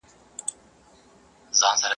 o سترگي له سترگو بېرېږي.